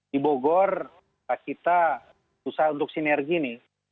di bogor kita susah untuk sinergi nih